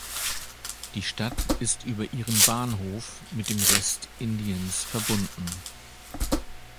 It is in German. Die Stadt ist über ihren Bahnhof mit dem Rest Indiens verbunden.